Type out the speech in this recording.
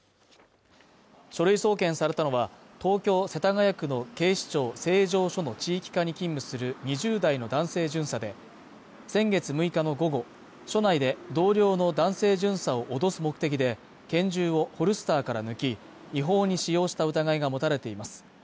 書類送検されたのは、東京世田谷区の警視庁成城署の地域課に勤務する２０代の男性巡査で、先月６日の午後、署内で同僚の男性巡査を脅す目的で拳銃をホルスターから抜き、違法に使用した疑いが持たれています。